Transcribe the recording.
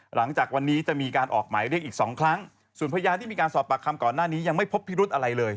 หลังจากวันนี้จะมีการออกหมายเรียกอีกสองครั้งส่วนพยานที่มีการสอบปากคำก่อนหน้านี้ยังไม่พบพิรุธอะไรเลย